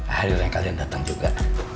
hari lain kalian datang juga